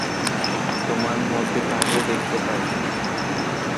তোমার মধ্যে তাকে দেখতে পাই।